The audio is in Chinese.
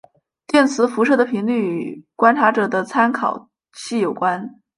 电磁辐射的频率与观察者的参考系有关。